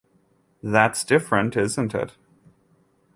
That's different, isn't it?